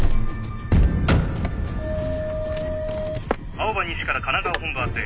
青葉西から神奈川本部あて。